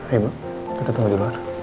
ayo mbak kita tunggu di luar